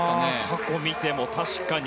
過去を見ても確かに。